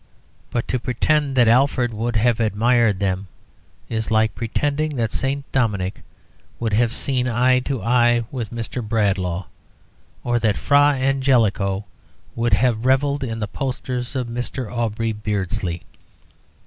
But to pretend that Alfred would have admired them is like pretending that St. Dominic would have seen eye to eye with Mr. Bradlaugh, or that Fra Angelico would have revelled in the posters of Mr. Aubrey Beardsley.